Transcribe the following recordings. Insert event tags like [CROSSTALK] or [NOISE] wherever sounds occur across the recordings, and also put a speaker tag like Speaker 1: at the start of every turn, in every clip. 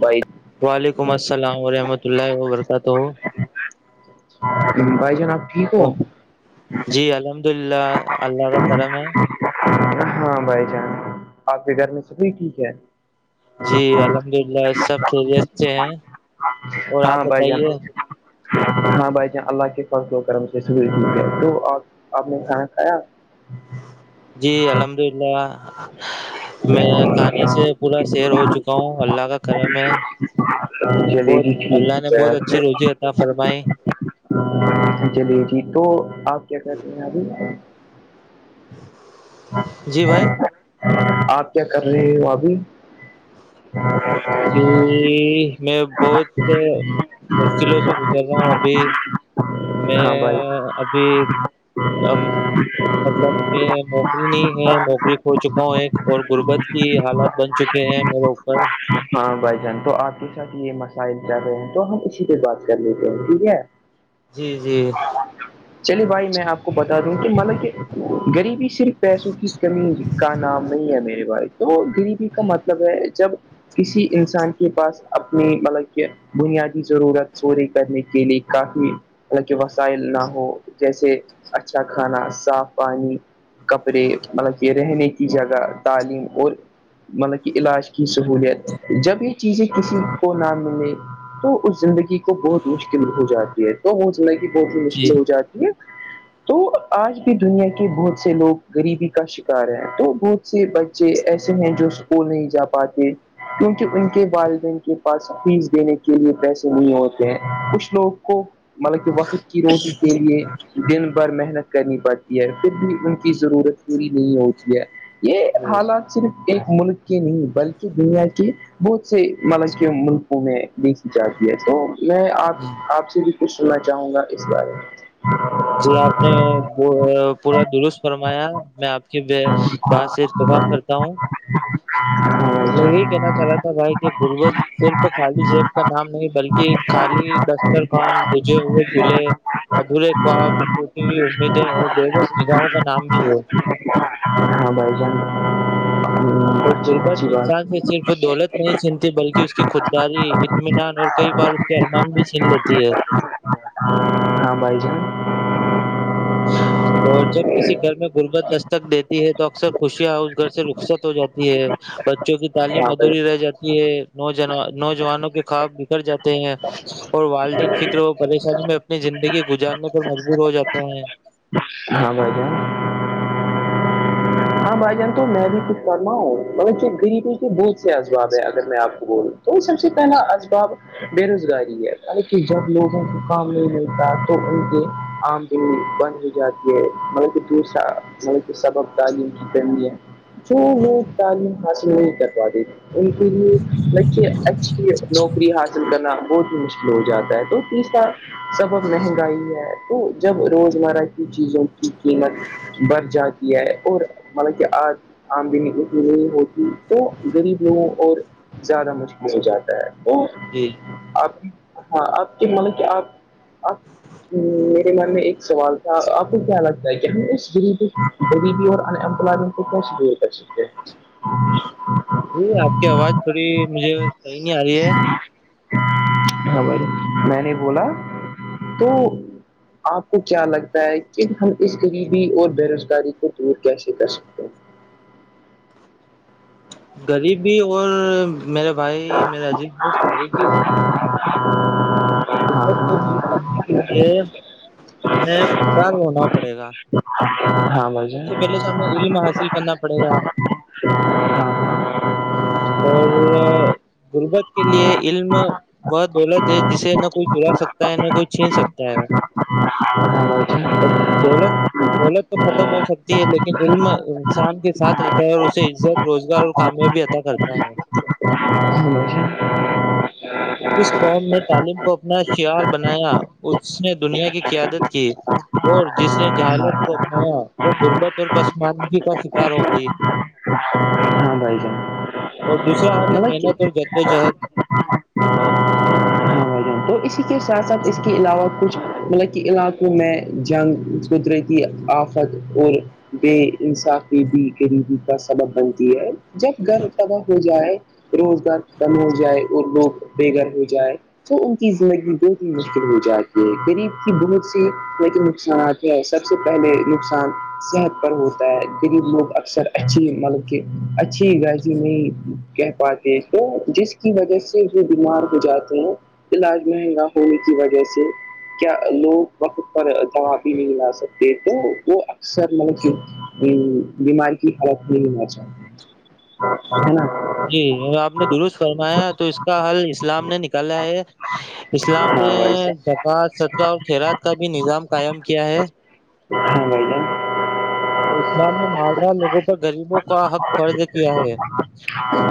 Speaker 1: بھائی
Speaker 2: وعلیکم السلام ورحمۃ اللہ وبرکاتہ
Speaker 1: پائ جے نا
Speaker 2: او جی الحمد اللہ اللہ کا کرم ہے
Speaker 1: ہاں بھائی جان آپ کے گھر میں سبھی ٹھیک ہے
Speaker 2: جی الحمد للہ سب خیریت سے ہیں اور آپ
Speaker 1: ہاں بھائی جان
Speaker 2: بتائیے
Speaker 1: ہاں بھائی جان اللہ کے کرم سے آپ نے کھانا کھایا
Speaker 2: جی الحمد للہ میں کھانے سے پورا شیر ہو چکا ہوں اللہ کا کرم میں
Speaker 1: چلیے
Speaker 2: بہت
Speaker 1: جی
Speaker 2: اللہ نے
Speaker 1: ٹھیک
Speaker 2: بہت اچھی
Speaker 1: ہے
Speaker 2: روزی رتاا فرمائی
Speaker 1: چلیے جٹھیک تو آپ کیا کہتے ہیں ابھی
Speaker 2: جی بھائی
Speaker 1: آپ کیا کر رہی ہو ابھی
Speaker 2: جی میں بہت مشکلوں سے گزر رہا ہوں ابھی
Speaker 1: ہاں
Speaker 2: میں
Speaker 1: بھائی
Speaker 2: ابھی مطلب میں نوکری نہیں ہے نوکری کھو چکا ہوں ایک اور غربت کی حالات بن چکے ہیں میرے اوپر
Speaker 1: ہاں بھائی جان تو آپ کے ساتھ یہ مسائل ج رہے ہیں تو ہم اسی پہ بات کر لیتے ہیں ٹھیک ہے
Speaker 2: جی جی
Speaker 1: چلیے بھائی میں آپ کو بتا دوں کہ مطلب کہ غریبی سے صرف پیسوں کی کمی کا نام نہیں ہے میرے باس تو دلی پی کا مطلب ہے جب کسی انسان کے پاس اپنی مطلب کہ بنیادی ضرورت پوری کرنے کے لیے کافی حالانکہ وسائل نہ ہو جیسے اچھا کھانا صاف پانی کپڑے مطلب کہ رہنے کی جگہ تعلیم اور مطلب کہ علاج کی سہولیت جب یہ چیزیں کسی کو نہ ملے تو اس زندگی کو بہت مشکل ہو جاتی ہے تو وہ زندگی بہت ہی
Speaker 2: جی
Speaker 1: مشکل ہو جاتی ہے تو آج بھی دنیا کے بہت سے لوگ غریبی کا شکار ہیں تو بہت سے بچے ایسے ہیں جو وہ نہیں جا پاتے کیونکہ ان کے والدین کے پاس فیس دینے کے لیے پیسے نہیں ہوتے ہیں کچھ لوگ کو مطلب کہ وقت کی روٹی کے لیے دن بھر محنت کرنی پڑتی ہے پھر بھی ان کی ضرورت پوری نہیں ہوتی ہے یہ
Speaker 2: جی
Speaker 1: حالات صرف ایک ملک کے نہیں بلکہ دنیا کے کہ بہت سے ملب ملکوں میں دھی جاتی ہے تو میں
Speaker 2: جی
Speaker 1: آپ آپ سے بھی پوچھ سنا چاہوں گا اس بارے
Speaker 2: جی آپ نے پورا درست فرمایا میں آپ کی بات سے
Speaker 1: ہاں
Speaker 2: اتفاق
Speaker 1: ہاں
Speaker 2: کرتا میں یہی کہنا چاہ رہا تھا بھائی کے بربج صرف خالی شیخ کا نام نہیں بلکہ خالی دستر خان بجھے ہوئے چلہے ادھورے خواب ہو امیدیں اور بے بس نگاہوں کا نام بھی ہے
Speaker 1: ہاں ہاں بائی جان
Speaker 2: اور
Speaker 1: اچھا
Speaker 2: غربت
Speaker 1: اچھی بات
Speaker 2: انسان سے صرف دولت نہیں سنتی بلکہ اس کی خودداری اطمینان اور کئی بار اس کے ارمان بھی چن لیتی ہے
Speaker 1: ہاں بھائی
Speaker 2: اچھ اور جب کسی گھر میں غربت دستک دیتی ہے تو اکثر خوشیاں اس گھر سے رخصت ہو جاتی ہے بچوں کی تعلیم
Speaker 1: ہاں بھائی
Speaker 2: ادھوری رہ جاتی ہے نوج نوجوانوں کے خواب بکھڑ جاتے ہیں اور والدین فکر و پریشانی میں اپنی زندگی گزارنے پر مجبور ہو جاتے ہیں
Speaker 1: ہاں بھائی جان ہاں بائی جان تو
Speaker 2: ہاں
Speaker 1: فما ہ مگر جو غریبی کے بہت سے اسباب ہے اگر میں آپ کو بولوں تو سب سے پہلا ازباب بے روزگاری ہے ال کہ جب لوگوں کو کام نہیں ملتا تو ان کے عام بند ہو جاتی ہے مطلب کہ دوسرا مطلب کہ سبب تعلیم ٹھ کرنی ہے سمت ہسی ہوتا ان کے لیے اچھی نوکری حاصل کرنا بہت مشکل جاتا ہے تو تیسرا سبب مہنگائی ہے تو جب روزمرہ کی چیزوں کی قیمت بر جاتی ہے اور مطلب کہ آج آم دنی ہوتی تو غریب لوگوں اور زیادہ مشکل ہو جاتا ہے
Speaker 2: جی
Speaker 1: آپ ہاں آپ کی مل کہ آپ میرے من میں ایک سوال تھا آپ کو کیا لگتا ہے کہ ہم اس دری غریبی اور انمپلائمنٹ کو کیسے دے کر سکتے ہیں
Speaker 2: جی آپ کی آواز تھوڑی مجھے صحیح نہیں آ رہی ہے
Speaker 1: ہاں بھائی میں نے بولا تو آپ کو کیا لگتا ہے کہ ہم اس غریبی اور بے روزگاری کو دور کیسے کر سکتے ہیں
Speaker 2: غریب بھی اور میرے بھائی میرے اجیت بست غریب بھی ہے ربت کو دور کرنے کے لیے ہمیں خد ہونا پڑے گا
Speaker 1: ہاں بھائی
Speaker 2: سب
Speaker 1: جان
Speaker 2: سے پہلے تو ہمیں علم حاصل کرنا پڑے گا
Speaker 1: ہاں
Speaker 2: اور غربت کے لیے علم بہت دولت جسے نہ کوئی چڑا سکتا ہے نہ کوئی چھین سکتا ہے
Speaker 1: ہاں بھائی جان
Speaker 2: دولت دولت تو ختم ہو سکتی ہے لیکن علم انسان کے ساتھ رہتا ہے اور اسے عزت روزگار اور کامیابی کرتا ہے
Speaker 1: اچھا
Speaker 2: جس قوم نے تعلیم کو اپنا شعار بنایا اس نے دنیا کی قیادت کی اور جس نے جہالت کو
Speaker 1: جان
Speaker 2: اپنایا وہ غربت اور پسمانگی کا شکار ہو گئی
Speaker 1: ہاں ہاں بھائی جان
Speaker 2: اور دوسرا حال ہے
Speaker 1: مطلب
Speaker 2: محنت
Speaker 1: کہ
Speaker 2: اور جدو جہد
Speaker 1: اور اسی کے ساتھ ساتھ اس کے علاوہ کچھ مطلب کہ علاقوں میں جنگ قدرتی آفت اور بے انصافی بھی غریبی کا سبب بنتی ہے جب گھر تباہ ہو جائے روزگار ختم ہو جائے اور لوگ بے گھر ہو جائے تو کی زندگی ہی مشکل ہو جاتی ہے غریب کی بہت سی نقصانات سب سے پہلے نقصان صحت پر ہوتا ہے غریب لوگ اکثر اچھی مطل اچھی رازی نہیں کہہ پاتے ہیں تو جس کی وجہ سے بیمار ہو جاتے ہیں علاج مہنگا ہونے کی وجہ سے کیا لوگ وقت پر دو اب بھی نہیں لا سکتے تو وہ اکثر مطلب کی بیمار کی حرق نہیں ہونا چاہیے نا
Speaker 2: جی آپ نے درست فرمایا تو اس کا حل اسلام نے نکالا ہے اسلام
Speaker 1: ہاں
Speaker 2: نے
Speaker 1: بھائی جان
Speaker 2: زکات صدقہ اور کھییرات کا بھی نظام قائم کیا ہے
Speaker 1: ہاں بھٹا
Speaker 2: تو اسلام نے مال دار لوگوں پر غریبوں کا حق فرض کیا ہے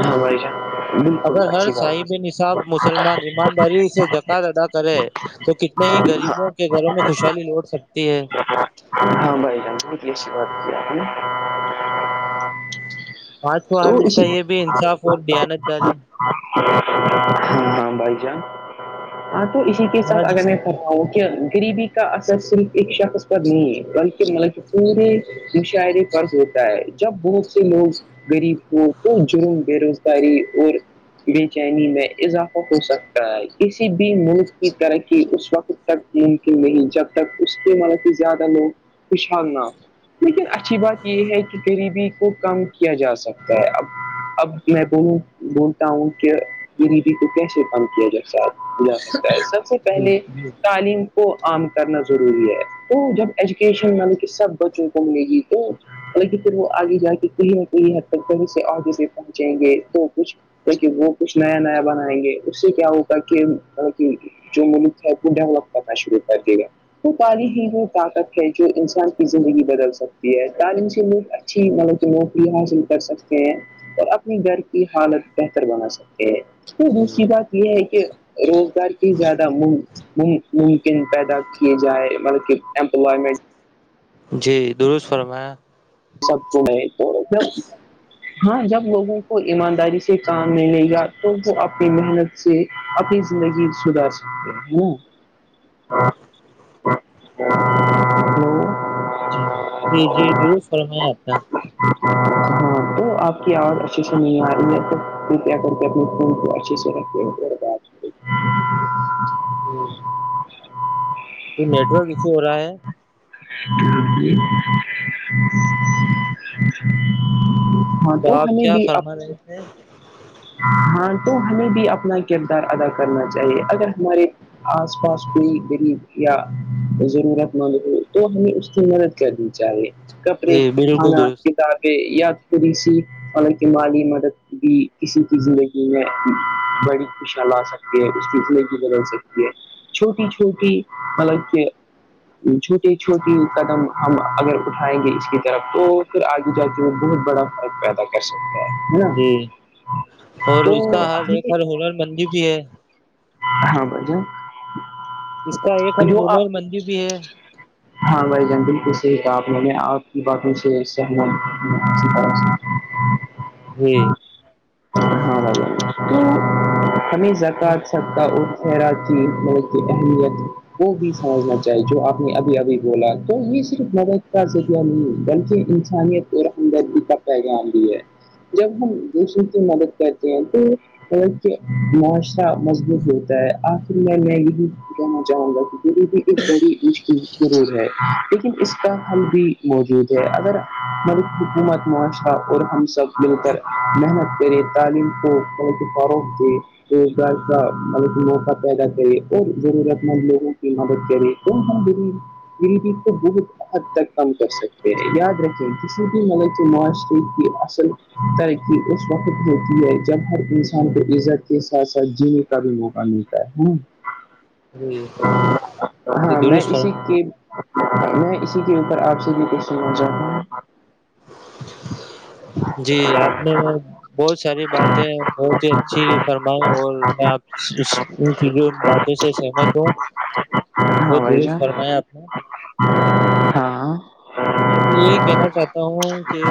Speaker 1: ہاں بھائی جان بالکل
Speaker 2: اگر ہر
Speaker 1: اچھی بات
Speaker 2: صاحب نصاب مسلمان ایمانداری سے جکات ادا کرے تو کتنے ہی غریبوں کے گھروں میں خوشحالی لوٹ سکتی ہے
Speaker 1: ہاں بھائی جان بت کی بات کی آپ نے
Speaker 2: آج
Speaker 1: تو
Speaker 2: حال اس کا
Speaker 1: اسی
Speaker 2: یہ بھی انصاف اور بیانت داریی
Speaker 1: ہاں بھائی جان ہاں تو اسی کے ساتھ اگر میں پتا ہوں کہ غریبی کا اثر صرف ایک شخص نہیں ہے بلکہ مطلب کہ پورے مشاعرے فرد ہوتا ہے جب بہت سے لوگ غریب کو تو جرم بے روزگاری اور بے چینی میں اضافہ ہو سکتا ہے کسی بھی ملک کی ترقی اس وقت تک ممکن نہیں جب تک اس کے ملقی زیادہ لوگ پشال نہ ہو لیکن اچھی بات یہ ہے کہ غریبی کو کم کیا جا سکتا ہے اب اب میں بولوں بولتا ہوں کہ غریبی کو کیسے بند کیا جائے ساتھ جا سکتا ہے سب سے پہلے تعلیم کو عام کرنا ضروری ہے تو جب ایجوکیشن ملب کہ سب بچوں کو ملے گی تو لی پھر وہ آگے جا کے کلیئر کےئی حد تک کہیں سے آگے بھی پہنچیں گے تو کچھ کہ وہ کچھ نیا نیا بنائیں گے اس سے کیا ہو کے جنگل ڈولپ کرنا شروع کر جہ وہ تاری ہی وہ طاقت ہے جو انسان کی زندگی بدل سکتی ہے تعلیم سے اچھی م کہ نوکری حاصل کر سکتے ہیں اور اپنے گھر کی حالت بہتر بنا سکتے ہیں تو دوسری بات یہ ہے کہ کہ روزگار کی زیادہ مل ممکن پیدا کیے جائے مطلب کہ امپلائمنٹ
Speaker 2: جی درست فرمایا
Speaker 1: سب کو میں تو ہاں جب لوگوں کو ایمانداری سے کام ملے گا تو وہ اپنی محنت سے اپنی زندگی سدار سکتے ہیں نا
Speaker 2: [UNINTELLIGIBLE]
Speaker 1: ہلو
Speaker 2: جی جی جی رور فرمایا آپنا
Speaker 1: ہاں تو آپ کی آواز اچھی سے نہیں آ رہی ہے توب کرپیا کر کے اپنے فون کو اچھے سے رکھیں
Speaker 2: ہوں رہا ہے
Speaker 1: [INAUDIBLE] ہاں تو ہمیں بھی
Speaker 2: ہاں
Speaker 1: ہاں تو ہمیں بھی اپنا کردار ادا کرنا چاہیے اگر ہمارے آس پاس کوئی غریب یا ضرورت مند ہو تو ہمیں اس کی مدد کرنی چاہیے کپڑے
Speaker 2: جی بالکل
Speaker 1: کھانا
Speaker 2: درست
Speaker 1: کتاار یا کوسی پانکہ مالی مدد بھی کسی کی زندگی میں بڑی خوشا لا سکتی ہے اس کی زندگی بدل سکتی ہے چھوٹی چھوٹی مطلب کہ چھوٹی چھوٹی قدم ہم اگر اٹھائیں گے اس کی طرف تو پھر آگے جا کے وہ بہت بڑا فرق پیدا کر سکتا ہے ہے نا
Speaker 2: جی اور
Speaker 1: تو
Speaker 2: اس کا ہر
Speaker 1: ہمیں
Speaker 2: ایک ہر ہنر مندر بھی ہے
Speaker 1: ہاں بجے
Speaker 2: اس کا ایک ہل ہونر مندر بھی ہے
Speaker 1: ہاں بھائی جان بالکل سےح کہاب میں نے آپ کی باتوں سے سہمت طح
Speaker 2: [UNINTELLIGIBLE]
Speaker 1: ہاں بابا کمی جات سک اور خیراتی مل کی اہمیت کو بھی سمجھنا چاہیے جو آپ نے ابھی ابھی بولا تو یہ صرف نبد کا ذریعہ نہیں ہے بلکہ انسانیت اور اندر قت آ ہے جب ہم دوسروں کی مدد کرتے ہیں تو معاشرہ ہوتا ہے آخر میں میں یہی کہنا چاہوں گا کہ مری بھی ایک بڑی مکل ضرور ہے لیکن اس کا حل بھی موجود ہے اگر مر حکومت معا تھا اور ہم سب مل کر محنت کرے تعلیم کو ب فروغ دے جی بائے کا مطلب موقع پیدا کرے اور ضرورت مند لوگوں کی مدد کرے ان غریبی کو بہت حد تک کم کر سکتے ہیں یاد رکھیں کسی بھی مل کے معاشرے کی ترقی اس وقت ہوتی ہے جب ہر انسان کو عزت کے ساتھ ساتھ جی کا بھی وہ کا ملتا ہے ہ
Speaker 2: جی
Speaker 1: ہاں میں
Speaker 2: درست
Speaker 1: اسی
Speaker 2: فرما
Speaker 1: کے میں اسی کے اوپر آپ سے بھی پشیننا چاہتا ہوں ا [UNINTELLIGIBLE]
Speaker 2: جی آپ نے بہت ساری باتیں ہوتی جی فرمائ اور میں آپ باتوں سے سہمت ہوں
Speaker 1: ہاں
Speaker 2: وہہت
Speaker 1: بھائی
Speaker 2: درست
Speaker 1: جان
Speaker 2: فرمایا آپ نے
Speaker 1: ہاں
Speaker 2: میں بھی یہی کہنا چاہتا ہوں کہ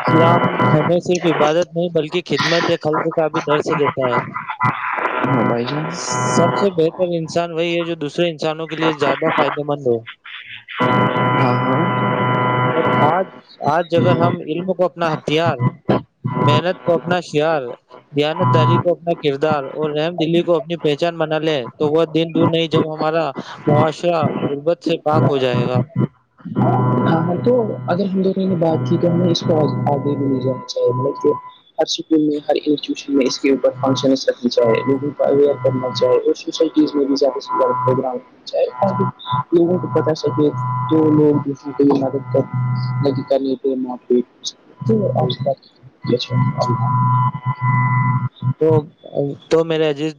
Speaker 2: اسلام ہمیں صرف عبادت نہیں بلکہ خدمت یا خلق کا بھی درسہ دیتا ہے
Speaker 1: [INAUDIBLE] ہاں بھائی جان
Speaker 2: سب سے بہتر انسان وہی ہے جو دوسرے انسانوں کے لیے زیادہ فائدے مند ہو
Speaker 1: ہاں
Speaker 2: اور آج آج اگر ہم علم کو اپنا ہتھیار محنت کو اپنا شیار ہے دیانت داری کو اپنا کردار اور رحم دلی کو اپنی پہچان بنا لے تو وہ دن دور نہیں جب ہمارا معاشرہ غربت سے پاک ہو
Speaker 1: ہاں
Speaker 2: جائے گا
Speaker 1: ہاں تو اگر ہم دونوں نے بات کی تو ہمیں اس کو آگے بھی نہیںے جانا چاہیے بلکہ تو ہر اسکول میں ہر انٹیٹیوشن میں اس کے اوپر فنکشن رکھی جائے لوگوں کو اوئر کرنا چائے [UNINTELLIGIBLE] [UNINTELLIGIBLE] [UNINTELLIGIBLE] [UNINTELLIGIBLE]
Speaker 2: تو تو میرے عزیز